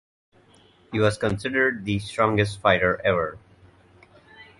He was considered the strongest fighter ever.